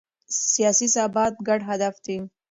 سیاسي ثبات ګډ هدف دی